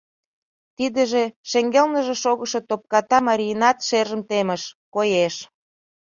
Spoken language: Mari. Тидыже шеҥгелныже шогышо топката марийынат шержым темыш, коеш.